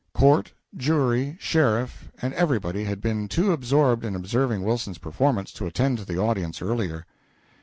Court, jury, sheriff, and everybody had been too absorbed in observing Wilson's performance to attend to the audience earlier.